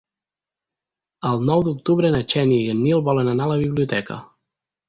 El nou d'octubre na Xènia i en Nil volen anar a la biblioteca.